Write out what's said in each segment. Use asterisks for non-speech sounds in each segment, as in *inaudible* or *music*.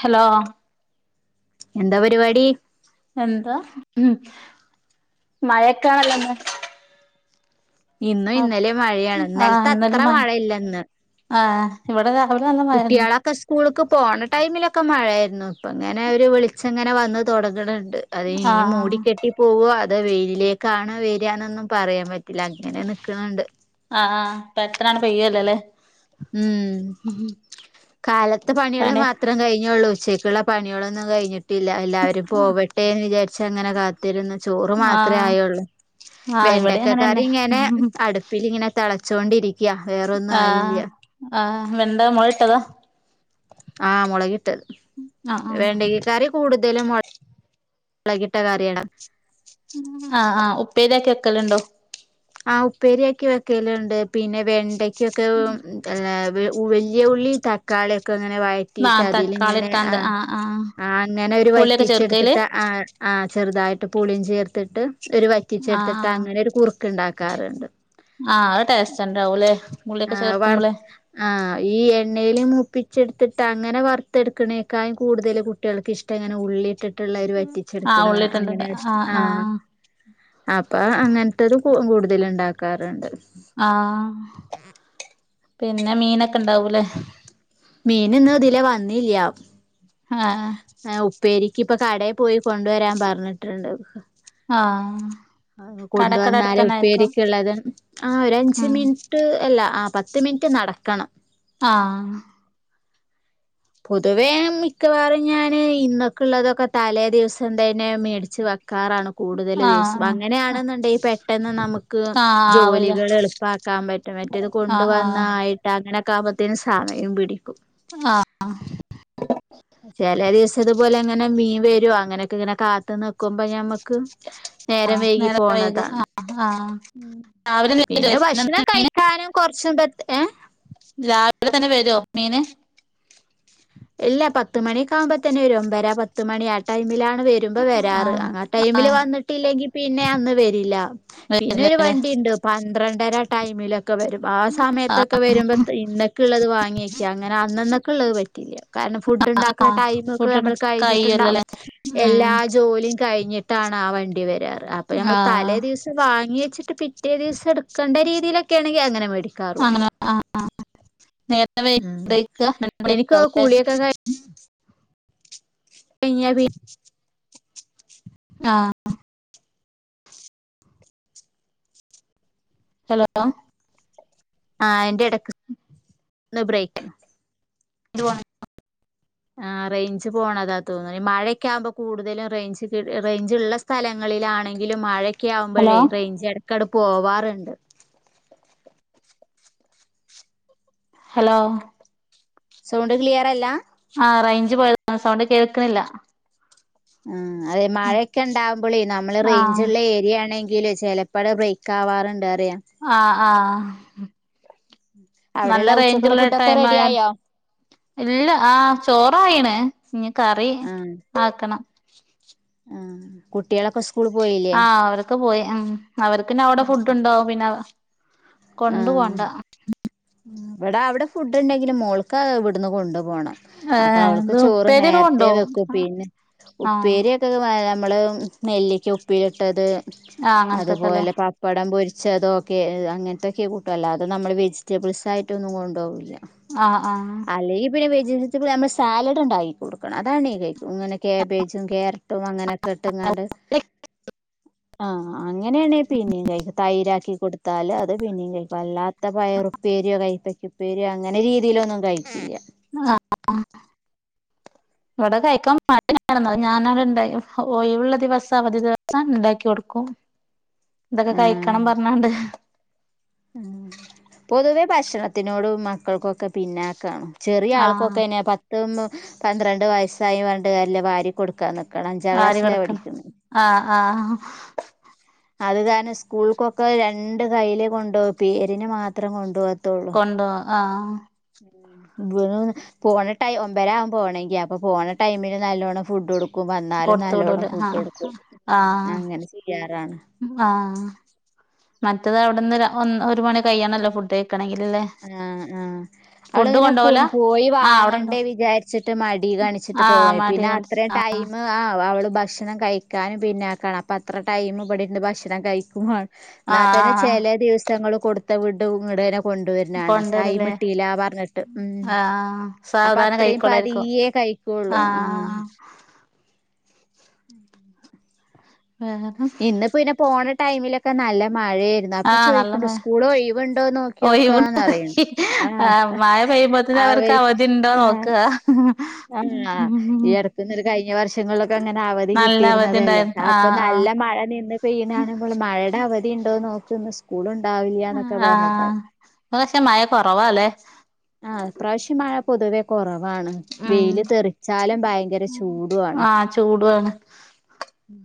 Hello എന്താ പരിപാടി? എന്താ മഴക്കാണല്ല ഇന്ന് ഇന്നും ഇന്നലെ മഴയാണ് ആഹ് ഇന്നലത്തെ അത്ര ഇന്നലിം മഴ മഴയില്ല ഇന്ന് ആഹ് ഇവിടെ രാവിലെ നല്ല മഴായിരുന്നു കുട്ടിളൊക്കെ സ്കൂളക്ക് പോണ ടൈമിലൊക്കെ മഴയായി ഇന്ന് ഇപ്പ ഇങ്ങനെ ഒരു വിളിച്ചങ്ങനെ വന്ന് തുടഞണ്ട് അത് ഇനിയും ആഹ് മൂടിക്കെട്ടി പോകോ അത് വെയിലിലേക്കാണ് വരാനൊന്നും പറയാൻ പറ്റില്ല അങ്ങനെ നിക്കണണ്ട് ആഹ് ഇപ്പൊ എത്രനാണ് പെയ്യലാലേ. ഉം കാലത്ത് പണികള് പണി മാത്രം കഴിഞ്ഞൊള്ളൂ ഉച്ചക്കൊള്ള പണികളൊന്നും കഴിഞ്ഞ് ട്ടില്ല എല്ലാവെരും പോവട്ടെന്ന് വിചാരിച്ചങ്ങനെ കാത്തിരുന്ന് ചോറ് മാത്ര ആഹ് ആയൊള്ള് ആഹ് ഇവിടെ അങ്ങനെന്നെ വെണ്ടക്കക്കറി ഞാന് അടുപ്പിലിങ്ങെനെ തെളച്ചോണ്ടിരിക്കയാ വേറൊന്നും ആഹ് ആയില്യാ. ആഹ്, വെണ്ട മൊളിട്ടതാ ആഹ് മൊളക്കിട്ടത്. ആഹ് ആഹ് വേണ്ടക്ക കറി കൂടുതലും മൊ ളകിട്ടക്കറിയാണ്. ആഹ്, ആഹ് ഉപ്പേരിയാക്കി വെക്കല്ണ്ടോ? ആഹ്, ഉപ്പേരിയാക്കി വെക്കല്ണ്ട്. പിന്നെ വെണ്ടയ്ക്കൊക്കെ ആഹ് വെല്യാ ഉള്ളീം തക്കാളിം ക്കങ്ങനെ വഴറ്റിട്ട് ആഹ് തക്കാളി അതിലിങ്ങനെ, ഇട്ടാണ്ട് ആഹ് അങ്ങെനൊരു പുളിയൊക്കെ ചേർക്കയില് വറ്റിച്ചെടുത്തിട്ട് ആഹ് ആഹ് ചെറുതായിട്ട് പുളീം ചേർത്തിട്ട്, ഒര് വറ്റിച്ചെടുത്തിട്ട് ആഹ് അങ്ങനെരു കുറു ആഹ് ല്അത് ടേസ്റ്റ്ണ്ടാവൂലെ, പുളിയൊക്കെ ചേർക്കുമ്പള് ആഹ് ഈ എണ്ണയില് മൂപ്പിച്ചെടുത്തിട്ടങ്ങെനെ വറുത്തെടുക്ക്‌ണേക്കായും കൂടുതല് കുട്ടിയേൾക്കിഷ്ട്ടം ഇങ്ങനെ ഉള്ളിട്ടിട്ട്ള്ളരു വ റ്റിച്ചെടുക്ക്‌ണതാ അങ്ങെനെ, ആഹ് അപ്പം അങ്ങൻത്തത് കൊ കൊട് തലിണ്ടാക്കാറ്ണ്ട്. ആഹ് പിന്നെ മീനൊക്കെ ഇണ്ടാവൂലേ? മീനിന്ന് ഇതിലെ വന്നില്ല. ആഹ് ഏഹ് ഉപ്പേരി ക്കിപ്പൊ കടേ പോയി കൊണ്ട് വരാൻ പറഞ്ഞിട്ട്ണ്ട്. ആഹ് ആഹ്, കടക്കടെ കൊണ്ടുവന്നാലെ അടുത്തന്നായിരിക്കും ഉപ്പേരിക്ക്‌ള്ളത് ആ ഒരഞ്ചു ഉം മിൻറ്റ് എല്ല അ പത്ത് മിൻറ്റ് നടക്കണം. ആഹ് പൊതുവെ മിക്കവാറും ഞാന് ഇന്നെക്ക്‌ള്ളതൊക്കെ തലേ ദിവസം തന്നെ മേടിച്ച് വെ ക്കാറാണ് കൂടുതല് ദിവസും, ആഹ് ആഹ് അങ്ങനെയാണ്ന്ന്ണ്ടെങ്കിൽ പെട്ടെന്ന് നമുക്ക് ആഹ് ആവൂലേ ജോലികള് എളുപ്പാക്കാ ക്കാൻ പറ്റും, മറ്റേത് കൊണ്ട് ആഹ് ആഹ് വന്നായിട്ട് അങ്ങനക്കാവുമ്പോത്തിനും സമയും പിടിക്കും. ആഹ് ചെല ദിവസത്പ്പോലെന്നെ അങ്ങന മീൻ വരും അങ്ങനെക്കെങ്ങനെ കാത്ത് നിക്കുമ്പോ ഞമ്മ ക്ക്, നേരം ആഹ് വൈകി വൈകും പോണതാണ്. ആഹ് ആഹ് ഹ്മ്മ്, രാവിലെ വരോ പിന്നെ ഭക്ഷണം മീന് കഴിക്കാനും കൊറച്ചെന്തേ രാവിലെ തന്നെ വരോ മീന്? ഇല്ല, പത്തുമണിയൊക്കെ ആകുമ്പോത്തിന് വെരും. ഒമ്പേരാ പത്തുമണി ആ ടൈമിലാ ണ്, വെരുമ്പം വെരാറ്. ആഹ് ആ ടൈമില് ആഹ് വന്നിട്ടില്ലെങ്കിൽ പിന്നെയന്ന് വെരില്ല. പിന്നെയൊരു വരില്ലല്ലേ വണ്ടി ണ്ട്. പന്ത്രണ്ടര ടൈമ് ക്കെ വെരും. ആ സമയത്തൊക്കെ മൊക്കെ വരും, ആ ആഹ് സമയത്തൊക്കെ വരുമ്പോ ഇന്നക്ക്‌ള്ളത് വാങ്ങിയെക്ക, അങ്ങെനെ അന്നന്നക്ക്‌ള്ളത് വറ്റിക്ക്യ കാരണം ഫുഡ്ണ്ടാക്ക്‌ണ ആഹ് ടൈമ്ക്കെ ഫുഡ്ഡ് നമ്മള് കഴിഞ്ഞിട്ട്ണ്ടാവും, കയ്യല്ലല്ലേ ഉം എല്ലാ ജോലിം കഴിഞ്ഞിട്ടാ ണ് ആ വണ്ടി വെരാറ്. അപ്പ നമ്മള് ആഹ് തലേ ദിവസം വാങ്ങിയച്ചിട്ട് പിറ്റേ ദിവസട്ക്കണ്ട രീതിയിലെ ക്കെണെങ്കിലങ്ങനെ മേടിക്കാറുണ്ട്. അങ്ങനെ ആഹ് നേരം വൈകി ഹ്മ്മ് കഴിക്ക രണ്ട് മണിയൊക്കെ എനിക്കൊ ആവുല്ലേ കുളിയൊക്കെ കഴി *inaudible* കഴിഞ്ഞാ പി ആഹ് ഹലോ ആ എന്റെട് ത്ത്ന്ന് ബ്രയ്ക്ക് എന്തുവാ ആ റേഞ്ച് പോണതാ തോന്ന്ണ്. ഈ മഴക്കെയാവുമ്പോ കൂടുതലും റേഞ്ച് കി റേഞ്ച്ള്ള സ്ഥലങ്ങൾ ളാണെങ്കിലും മഴക്ക്യാവുമ്പഴേ ഹലോ റേഞ്ച്ടക്കാൻണ്ട് പോവാറ്ണ്ട് ഹലോ സൗണ്ട് ക്ലിയറല്ലാ ആ റേഞ്ച് പോയ സൗണ്ട് കേൾക്ക്‌ണില്ല. ഉം അതെ മഴയൊക്കെ ഉണ്ടാവുമ്പോളേ, നമ്മള് ആ റേഞ്ചുള്ള ഏരിയ ആണെങ്കിൽ ഇതില് ചേലപ്പള് ബ്രേക്ക്, അവര്ണ്ട് അറിയ. ആഹ, നല്ല അവിടെയുള്ള ഉച്ചക്കുള്ള റേഞ്ചുള്ള ഫുഡൊക്കെ ടൈം റെഡി ആയാൽ. ആയോ ഇല്ല, ആ ചോറായിണ്, ഇനി കറി ആ ആക്കണം. ഉം കുട്ടിള്ളൊക്കെ സ്കൂ ആഹ് അവരൊക്കെ പോയി ഉം അവർക്ക് ഇനി അവിടെ ഫുടുണ്ടാകും പിന്നെ കൊണ്ട് ആ പോണ്ട ഇവിടെ, അവിടെ ഫുഡ്, ഉണ്ടെങ്കിലും മോൾക്ക ഇവിടന്ന് കൊണ്ട് പോണം ഏ അപ്പോ അവൾക് ഇത് ചോറ് ഉപ്പേരിയൊക്കെ നേരത്തെ കൊണ്ടോവും വെക്കും പിന്നെ ആ ഉപ്പേരിക്കെ നമ്മള് നെല്ലിക്ക ഉപ്പില് ആ അങ്ങനത്തൊക്കെല്ലേ ചെതൊക്കെ, അങ്ങനത്തെയൊക്കെ കൂട്ടാ അല്ലാതെ, നമ്മൾ വേജിറ്റബാൾസ്, ആയിട്ടൊന്നും കൊണ്ടു ആഹ ആഹ ജീവിതത്തിൽ, നമ്മൾ സാലഡ് ഉണ്ടാക്കി കൊടുക്കണം. അതാണ് ഈ കഴിക്കും, ഇങ്ങനെ കേബേജും, ക്യാരറ്റും, അങ്ങനെയൊക്കെ ഇട്ട്ങ്ങാണ്ട് ആ ആ അങ്ങനെയാണെങ്കിൽ തിന്നും കഴിക്കും, തൈരാക്കി കൊടുത്താൽ അത് പിന്നെയും കഴിക്കും അല്ലാത്ത പയറും. ഉപ്പേരിയോ, കൈപ്പക്കാഉപ്പേരിയോ അങ്ങനെ, രീതിയിലൊന്നും കഴിക്കില്ല. ആഹ ഇവിടെ കഴിക്കാൻ ഞൻ അവിടെ ഇണ്ടാകും ഒഴിവുള്ള ദിവസം അവധി ദിവസം ഉണ്ടാക്കിക്കൊടുക്കും ആഹ് ഉം ആഹ് പൊതുവെ ഭക്ഷണത്തിനോട് മക്കൾക്കൊക്കെ പിന്നാക്കാണ് ചെറിയ ആ ആൾക്കൊക്കെ, പത്ത്, പന്ത്രണ്ട് ഉം വയസ്സായി, പറഞ്ഞിട്ട് കാര്യമില്ല വാരികൊടുക്കണം. ആര് കടക്ക്ണ് ആഹ ആഹ അത്കാരണം, സ്കൂൾ ഒകെ രണ്ട് കൈയിലെ കൊണ്ടൊപ്പി പേരിന് മാത്രം കൊണ്ടുവോ കൊണ്ടോ ആഹ എബന്, പോണ ടൈം ഒമ്പര ആകും പോണങ്കിൽ അപ്പോ പോണ ടൈംമിന് അപ്പൊ നല്ലോണ്ണം ഫുഡ് കൊടുക്കും. കും, വന്നാലും കൊടുത്ത് നല്ലോണ്ണം വിടൂലേ ഫുഡ് ആഹ് എടുക്കും. ആഹ, മറ്റേത് അവിടുന്ന് ര ഒന്ന് ഒരുമണി കകയാണല്ലോ ഫുഡ് ‌കഴി ആഹ ഫുഡ് ആഹ കൊണ്ടോവലാ ആഹ് അവിടെണ്ടോ കാണിച്ചിട്ട് ആഹ് പോവായി മടി പിന്നെ കണ്ട് അത്രേം ആഹ് ടൈം ആ അവള് ഭക്ഷണം കഴിക്കാനും പിണക്കമാണ് അപ്പോ അത്രടൈം ഇബടെ ഇരുന്നു ഭക്ഷണം കഴിക്കുമാണം. എന്നതന്നെ ആഹ് ചേലെ ദിവസങ്ങള് കൊടുത്ത് വീടും ഇങ്ങട് തെന്നെ കൊണ്ട് കൊണ്ടുവരുന്ന കാണാ മടൈം കൊണ്ടുവരൂലേ കിട്ടില്ല ആഹ് സാവധാനം കഴിക്കോളായിരിക്കും സ്കൂള്ലോ ആ ആഹ് ഉം വേറെ ഇന്നുപ്പോ പോണ ടൈമിലൊക്കെ നല്ല മ മഴയായിരുന്നു അപ്പൊ ആഹ് നല്ല ചോയിക്കിണ്ട് മഴ സ്കൂൾ ഒഴിവുണ്ടോ ഒഴിവുണ്ടോ നോകിയോക്കറിയിണ് ആഹ ആഹ് മഴ പെയ്യുമ്പോത്തിന് അവർക്ക് അവര് അവധി ഉണ്ടോ ആ നോക്കുക അന്നാ ഉം ഇടക്ക് കഴിഞ്ഞ വർഷങ്ങൾ *unintelligible* അവധി നല്ല അവധി കിട്ടിയിരുന്നതല്ലേ ഉണ്ടായിരുന്നു അപ്പൊ ആഹ് ആഹ് നല്ലം മഴ നിന്ന് പൈ ണ്ടാവില്ലിയന്നൊക്കെ പറഞ്ഞിട്ട് ആഹ് ഇപ്പൊ പക്ഷെ മഴ കൊറവല്ലേ ആ ഈ പ്രാവശ്യം മഴ പൊതുവെ കുറവാണ് ഉം വെയില് തെറിച്ചാലും ഭയങ്കര ചൂടാണ് ഉം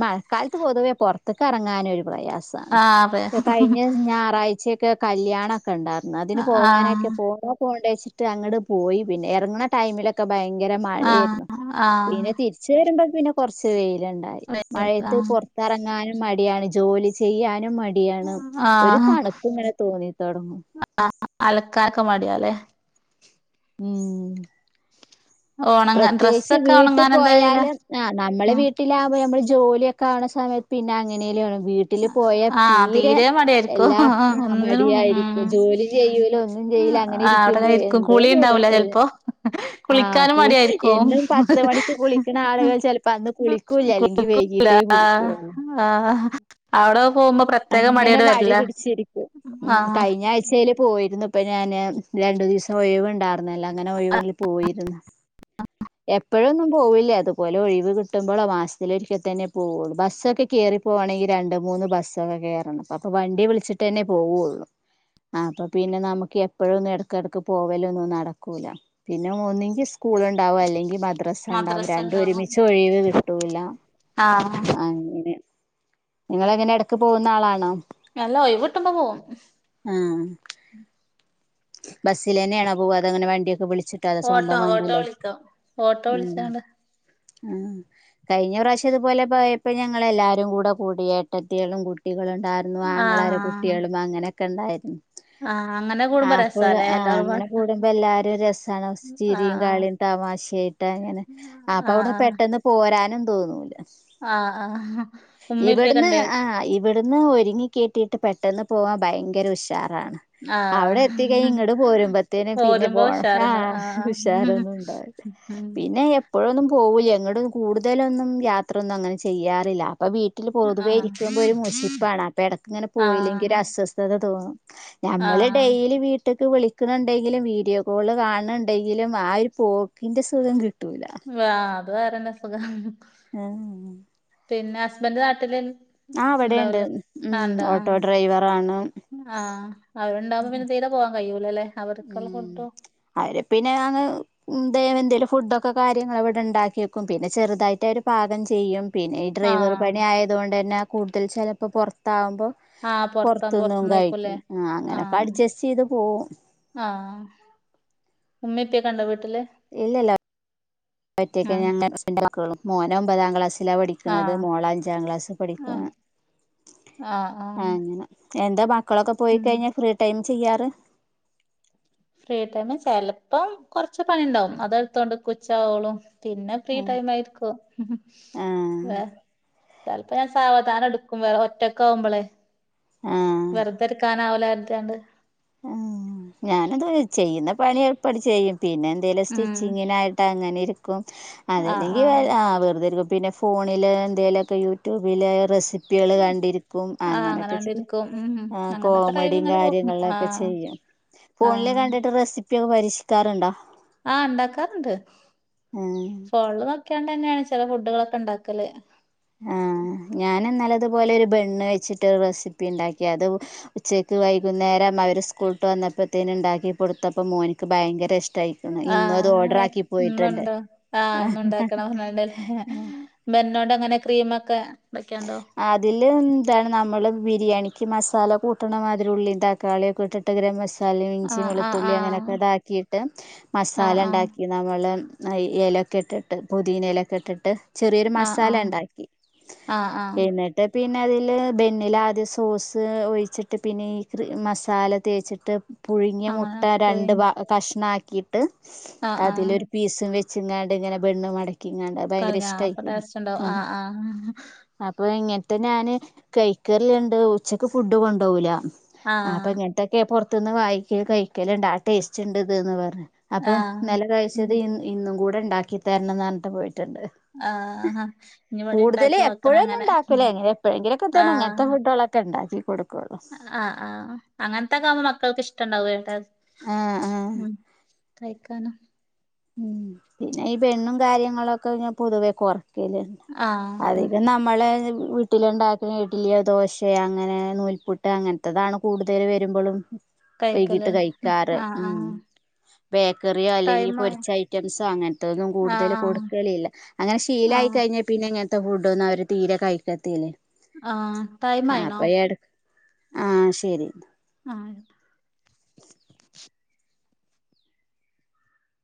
മഴക്കാലത്ത്, പൊതുവേ പുറത്തക്ക് അറങ്ങാൻ ഒരു പ്രയാസാണ് ആഹ് അതെ ഇപ്പൊ കഴിഞ്ഞ ഞാറാഴ്ച ഒക്കെയുണ്ടായിരുന്നു, അതിന് ആഹ് പോവാനൊക്കെ പോണോ പോണ്ടേച്ചിട്ട് അങ്ങട് പോയി പിന്നെ ഇറങ്ങണ ടൈ ഭയങ്കര ആഹ് മഴയായിരുന്നു ആഹ് പിന്നെ തിരിച്ച് വരുമ്പോ പിന്നെ കൊർച് വൈലെന്നു മഴയത്ത്, പുറത്തിറങ്ങാനും മടിയാണ് ജോലി ചെയ്യാനും. ടിയാണ് ഒരു ആഹ് തണുപ്പ്ങ്ങനെ തോന്നി തൊടങ്ങും ക്ക മടിയാലെ ഉം ഒണങ്ങാൻ പ്രത്യേകിച്ച് ഡ്രസ്സൊക്കെ വീട്ടി ഒണങ്ങാൻ എന്താ ചെയ്യല് പോയാല് ആ് നമ്മളെ ഉം വീട്ടിലാകുമ്പോൾ നമ്മള് ജോലിയക്കെ ക്കാണ് സമയത്ത് പിന്നെ അങ്ങനെലു വീട്ടില് പോയാ ആഹ് തീരെ മടിയായിരിക്കും എല്ലാ ഒന്നിനും ഉം മടിയായിരിക്കും ജോലി ചെയ്യൂല ഒന്ന്നും ന്റെൽ ആഹ് അങ്ങനെരിക്കുമ്പോ അവിടെങ്ങനെ ഇരിക്കും എന്തോ കുളി ഉണ്ടാവൂല പോലത്തത്. ചെലപ്പോ ആഹ് കുളിക്കാനും കുളിഎന്നും മടിയായിരിക്കും പത്ത് മണിക്ക് കുളിക്ക്ണ ആളുകൾ ചിലപ്പോ അന്ന് കുളിക്കൂല്ല അല്ലെങ്കിൽ *unintelligible* ആഹ് അവിടെ പോകുമ്പോ പ്രത്യേകം അങ്ങനെ മടിയോടെ മടി വരില്ല പിടിച്ചിരിക്കും ഉം ആഹ് കഴിഞ്ഞ ആഴ്ചെൽ പോയിരുന്നു ഇപ്പോൾ ഞാന്‌ രണ്ടു ദിവസം ഒയിവുണ്ടായിരുന്നു. അങ്ങനെല്ലാം ങ്ങനെഒഴിവിൽ പോയിരുന്നു ഇപ്പോഴൊന്നും പോവില്ല ഇതുപോലെ ഒഴിവ് കിട്ടുമ്പളോ മാസത്തിലൊരിക്കെ തന്നെ പോവുള്ളൂ ബസ്സൊക്കെ കറിപ്പോകവാണെങ്കിൽ. രണ്ട്മൂന്ന് ബസ്സൊക്കെ കേറണം അപ്പൊ വണ്ടി വിളിച്ചിട്ടന്നെ പോവുള്ളു ആ അപ്പ പിന്നെ നമക്ക് എപ്പഴൊന്നും എടക്കിടക്ക് പോവലൊന്നും നടക്കൂല പിന്നെ ഒന്നങ്കിൽ സ്കൂൾ ണ്ടാവും അല്ലെങ്കിൽ മദ്രസ ണ്ടാവും രണ്ടും ഒരുമിച്ച് ഒഴിവ് കിട്ടൂല്ല. ആഹ് അങ്ങനെ നിങ്ങൾ എങ്ങനെ എടക്ക് പോവുന്ന ആളാണോ അല്ല ഓയിവ്ട്ടുമ്പോ പോവും ഉം ബസ്സിലെന്നെണോ പോവാ അതോ ഇങ്ങനെ വണ്ടിയൊക്കെ വിളി ചിട്ടോ ഓട്ടോ അതോസ്വന്തം ഓട്ടോ വണ്ടീലോ വിളിക്കും ഓട്ടോ ഉം വിളിച്ചാണ്ട് ആ കഴിഞ്ഞ പ്രാവശ്യം ഇതുപോലെ പോയപ്പോ ഞങ്ങള എല്ലാരും കൂടെ കൂടി ഏട്ടത്തികളും കുട്ടികളും ഇണ്ടായ്രുന്നു ആഹ് ആങ്ങളാരെകുട്ടികളും അങ്ങനെക്കെ ഇണ്ടായിരുന്നു. ആഹ് അങ്ങനെ കൂടുംമ്പോ രസ- മ്പുഴ് ആ് അങ്ങനെ കൂടുമ്പോ എല്ലാരും രസാണ് ചിരിയും ആഹ് കാളിയും തമാശയ്ട്ടങ്ങനെ. ആ അപ്പൊ ആഹ് അവിടുന്ന് ആഹ് പെട്ടെന്ന് പോരാനും തോന്നൂല. ആഹ് ആ് ഉമ്മിം ഇവിടുന്ന് ഇപ്പക്കെണ്ടേ ആഹ് ഇവിടുന്ന് ഒരുങ്ങി കെട്ടീട്ട് പെട്ടെന്ന് പോവാൻ ഭയങ്കര ഉഷാറാണ് അവിടെത്- ആഹ് യ് ഇങ്ങട്ട് പോരുമ്പത്തേനും പിന്നെ പോരുമ്പോ പോണം ഉഷാറുണ്ട് ആഹ് ആഹ് ഉഷാറൊന്നും ഇണ്ടാവില്ല ഉം പിന്നെ എപ്പോഴൊന്നും പോകൂല്ല എങ്ങോട്ടും കൂടുതലൊന്നും യാത്രൊന്നും അങ്ങനെ ചെയ്യാറില്ല പ്പ വീട്ടിൽ പൊതുവേ ആഹ് ഇരിക്കുമ്പോൾ ഒരു മുഷിപ്പാണ് അപ്പൊ എടക്ക്ഇങ്ങനെ പോയില്ലെങ്കിൽ ഒരു ആഹ് അസ്വസ്ഥത തോന്നും നമ്മള് ആഹ് ഡെയിലി ട്ട്ക്ക് വിളിക്കണണ്ടെങ്കിലും വീഡിയോ കോള് കാണ് ണ്ടെങ്കിലും ആ ഒരു പോക്ക് അയ്ന്റെ സുഖം കിട്ടൂല വാ അത് വേറെന്നെ സുഖാ ആഹ് പിന്നെ ഹസ്ബൻഡ് നാട്ടില് ഇണ്ടാവ് അവിടെണ്ട് ല്ലേ ഉം കണ്ടാ ഓട്ടോ ആഹ് ഡ്രൈവറാണ് ആഹ് അവരുണ്ടാവുമ്പോപിന്നെ തീരെ പോകാൻ കയ്യുല്ല ല്ലേ? ഉം അവര് പിന്നെ അങ് ന്തേഎന്തേങ്കലും ഫുഡൊക്കെ കാര്യങ്ങൾ ഇവിടെ ഇണ്ടാക്കി വെക്കും പിന്നെ ചെറുതായിട്ട് അവര് പാകം ചെയ്യും. പിന്നെ ഈ ആ ഡ്രൈവർ പണി ആയതോണ്ടന്നെ കൂടുതൽ ചെലപ്പോ പൊത്താകുമ്പോൾ ആ പൊറത്ത പൊറത്ത്ന്നും പൊറത്ത്ന്ന് കഴിക്കൂലേ കഴിക്കും ആ അങ്ങനെയൊക്കെ അഡ്ജസ്റ്റ്യ്ത് പോകും ആഹ് ഉമ്മിം ഇപ്പകണ്ടോ വീട്ട് ഇല്ലല്ല ഒറ്റക്ക ആ ഞൻ ന്റെ ഹുസ്ബന്റും മക്കളും മോൻ ഒമ്പതാം ക്ലാസ് ലാ ആ പഠിക്കുന്നത് മോളഞ്ചാം ക്ലാസ് ആ പഠിക്കുന്നു ആ ആ അങ്ങനെ എന്താ മക്കളൊക്കെ ഉം പോയികഴിഞ്ഞാ ഫ്രീ ടൈം ചെയ്യാറ്? ഫ്രീ ടൈമ്ചെലപ്പം കൊറച്ച് പണിണ്ടാവും അതെടുത്തോണ്ട്ക്കും ഉച്ച ആവോളും പിന്നെ ഫ്രീ ടൈം ആയിര്ക്കും ആ ആ *inaudible* ചെലപ്പോ ഞാൻ സാവധാനം എടുക്കും വേറെ ഒറ്റക്കാവുമ്പോളെ ആ വെറുതെ ര്ക്കാനാവൂല *unintelligible* ത്താണ്ട് ആ ഞാനത് ചെയ്യ്ന്ന പണി എൾപ്പട് ചെയ്യും. പിന്നെന്തേലും സ്റ്റിച്ചിങ്ങിനായിട്ട് അങ്ങനെര്ക്കും ആഹ് അതല്ലെങ്കി ആഹ് വേറെ ആ വെറുതെര്ക്കും. പിന്നെ ഫോണില് എന്തെലൊക്കെ യൂട്യൂബില് റെസിപ്പി കുപ്പികൾ കണ്ടിരിക്കും ആഹ് അങ്ങനെയൊക്കെ ചെയ്യും അങ്ങനാണ്ടിരിക്കും ഉം അങ്ങനൊക്കെ ടൈം കോമഡി ഇങ്ങനെ പോകും കാര്യങ്ങളിലൊക്കെ *unintelligible* ക്കെ ആഹ് ചെയ്യാം. ഫോണില് ആഹ് കണ്ടിട്ട് റെസിപ്പിയൊക്കെ പരീ ക്ഷിക്കാറുണ്ടോ? ആഹ് ഇണ്ടാക്കാറ്ണ്ട് ഉം ഫോണില് നോക്കിയാണ്ട് *unintelligible* തന്നെയാണ് ചെല ഫുഡുകളൊക്കെ ഇണ്ടാക്കല് ആ ഞാന്‌ന്നലെ അതുപോലെ ഒരുബെന്ന് വെച്ചിട്ട് റെസിപ്പി ഇണ്ടാക്കി അത് ഉച്ചക്ക് വൈകുന്നേരം അവര് സ്കൂളൂട്ട് വ വന്നപ്പത്തേന് ഇണ്ടാക്കി കൊടുത്തപ്പോ മോന്ക്ക് ഭയങ്കര ഇഷ്ടം ആ ഇന്നുണ്ടോ ആഹ എന്നുണ്ടാക്കണം പറഞ്ഞണ്ടല്ലേ ബെന്നോണ്ടങ്ങനെ ക്രീമൊക്കെ വെക്കാണ്ടോ അതില് എന്താണ് നമ്മള് ബിരിയാണിക്ക് മസാല കൂട്ടണമാതിരി ഉള്ളിം തക്കാളിയൊക്കെ ഇട്ട്ട്ട് ഗരമസാല മസാല ഇഞ്ചി ആഹ് ആഹ് വെളുത്തുള്ളി അങ്ങനെക്കെ ഇതാക്കിയിട്ട് മസാല ആഹ് ആഹ് ഇണ്ടാക്കി നമ്മള് ആ എലൊക്കെ ഇട്ടിട്ട് പൊതീനലൊക്കെ ട്ടിട്ട് ചെറിയൊരു മസാല ഇണ്ടാക്കി അ ആ പിന്നെ അതില് ബെന്നിലാദ്യം സോസ് ഒഴിച്ചിട്ട് പിന്നെ ഈ ക്രീ മസാല തേച്ച്ട്ട് പുഴുങ്ങിയ മുട്ട അങ്ങനെ പോയി രണ്ട് ഭാ കഷ്ണാക്കിയിട്ട് ആഹ് ആഹ് അതിലൊരു പീസും വെച്ച് *unintelligible* ങ്ങാണ്ട് ഇങ്ങനെ ബെണ്ണ് മടക്കിങ്ങാണ്ട് അഹ്ഭയങ്കര കറിഞ്ഞ അപ്പൊ ഇഷ്ടായിക്ക്ണ്. ടേസ്റ്റ് ഉണ്ടാവും ആഹ് ആഹ് അപ്പൊ ഇങ്ങനത്തെ നാന് കൈക്കറല്ലെണ്ട് ഉച്ചക്ക് ഫുഡ് കൊണ്ടോ വൂല. ആ അപ്പൊ ആഹ് ഇങ്ങനത്തക്കെ പോ റത്തുന്ന് വാങ്ങിക്കേ കഴിക്കല്ണ്ട് ആ ടേസ്റ്റ്ണ്ട് ഇത് ന്ന് പറഞ്ഞ് അപ്പൊ ആഹ് ഇന്നല ഉം. കഴിച്ചത് ഇന്ന് ഇന്നും കൂടെ ഇണ്ടാക്കി തരണംന്നറ്ഞ്ട്ടാ പോയേ ആഹഹ കൂടുതൽ എപ്പോഴും ഒന്നു ണ്ടാക്കൂല്ലെങ്ങനെ എപ്പഴെങ്കിലും ഇ തന്നെ ഇങ്ങനത്തെ ഫുഡോളൊക്കെണ്ടാല് ആ് ആ് അങ്ങനത്തെക്കാവുമ്പോ മക്കൾക്ക് ഇഷ്ടണ്ടാവ്വെ ആഹ് ആഹ് ളം കായിക്കാ *unintelligible* ഉം പിന്നെ ഈ ബെണ്ണും കാര്യങ്ങളൊക്കെ ഞാ പൊതുവെ കൊറ *unintelligible* ആഹ് അധികം നമ്മള് വീട്ടില്ണ്ടാക്ക്ന്ന ഇഡലിയോ, ദോശേ അങ്ങനെ നൂൽപ്പുട്ട്, അങ്ങനത്തെതാണ് കൂടുതല് വരുമ്പോളും കഴിക്കല് വൈകിട്ട് ഉം കഴിക്കാറ് ആഹ് മ് ആഹ് ബേക്കറിയോ അല്ലെങ്കി ടൈം പൊരി ആയോ *unintelligible* റ്റംസോ അങ്ങനത്തൊന്നും കൂടുതൽ ആഹ് കൊടുക്കലില്ല അങ്ങനെ ശീലായി ആഹ് കഴിഞ്ഞ പിന്നെ ഇങ്ങനത്തെ ഫുഡൊന്നും അവര് തീരെ കഴിക്കത്തില്ലേ ആ ടൈമായിണോ? ആഹ ശെരി ആ